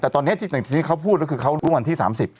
แต่ตอนนี้สิ่งที่เขาพูดก็คือเขารู้วันที่๓๐